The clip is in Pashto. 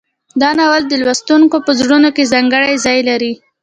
دا ناول د لوستونکو په زړونو کې ځانګړی ځای لري.